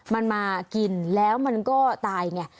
มันมากินแล้วมันก็ตายไง